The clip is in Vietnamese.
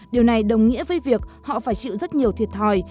điều này đồng nghĩa với việc họ phải chịu rất nhiều thiệt thòi